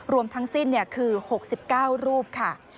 รวมทั้งสิ้นคือ๖๙รูปค่ะ